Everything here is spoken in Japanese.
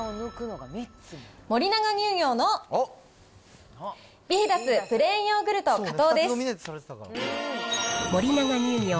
森永乳業のビヒダスプレーンヨーグルト加糖です。